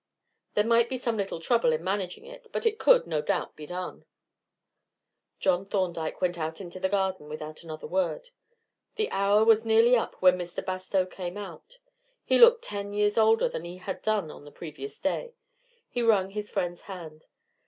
There might be some little trouble in managing it, but it could, no doubt, be done." John Thorndyke went out into the garden without another word. The hour was nearly up when Mr. Bastow came out; he looked ten years older than he had done on the previous day. He wrung his friend's hand.